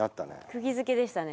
くぎづけでしたね